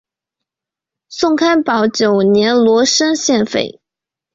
宋开宝九年罗山县废。